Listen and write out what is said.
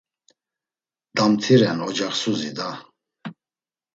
Damtire’n ocaksuzi da!